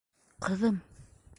Ҡыҙым...